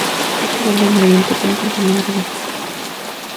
Pico verde amarillento con punta negra y base roja.